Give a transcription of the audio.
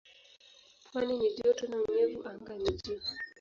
Pwani ni joto na unyevu anga ni juu.